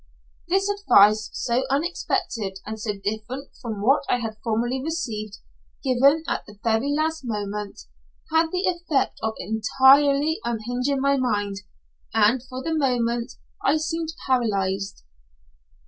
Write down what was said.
This advice, so unexpected and so different from what I had formerly received, given at the very last moment, had the effect of entirely unhinging my mind, and for the moment I seemed paralysed.